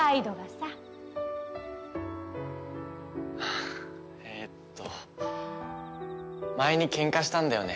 はあえーっと前にケンカしたんだよね